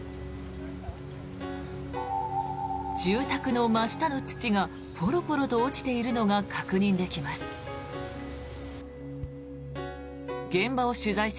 住宅の真下の土がポロポロと落ちているのが確認できます。